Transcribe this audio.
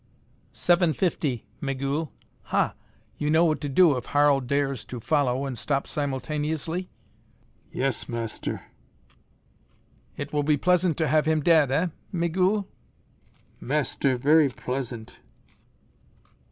"750, Migul.... Hah! You know what to do if Harl dares to follow and stop simultaneously?" "Yes, Master." "It will be pleasant to have him dead, eh, Migul?" "Master, very pleasant."